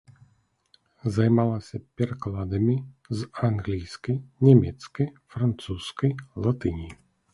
Займалася перакладамі з англійскай, нямецкай, французскай, латыні.